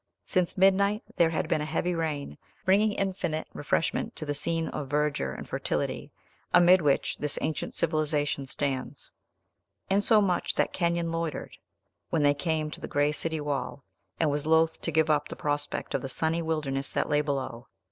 Since midnight, there had been a heavy, rain, bringing infinite refreshment to the scene of verdure and fertility amid which this ancient civilization stands; insomuch that Kenyon loitered, when they came to the gray city wall, and was loath to give up the prospect of the sunny wilderness that lay below.